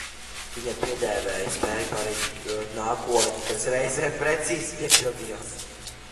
Viņam piedēvēja spēju pareģot nākotni, kas reizēm precīzi piepildījās.